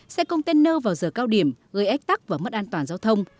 xe container vào giờ cao điểm gây ách tắc và mất an toàn giao thông